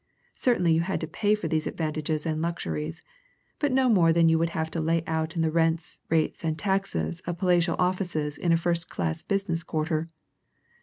Certainly you had to pay for these advantages and luxuries, but no more than you would have to lay out in the rents, rates, and taxes of palatial offices in a first class business quarter.